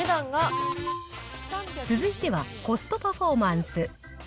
続いてはコストパフォーマンス。